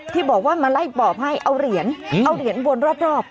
ที่บอกว่ามาไล่ปอบให้เอาเหรียญเอาเหรียญวนรอบ